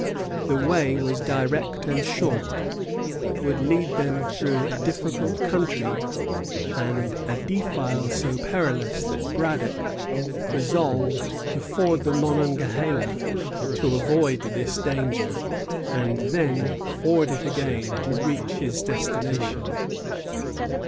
The way was direct and short, but would lead them through a difficult country and a defile so perilous that Braddock resolved to ford the Monongahela to avoid this danger, and then ford it again to reach his destination.